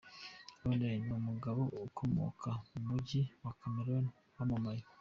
Lauren numugabo ukomoka mu gihugu cya Cameroun, wamamaye.